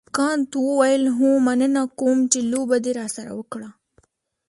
کانت وویل هو مننه کوم چې لوبه دې راسره وکړه.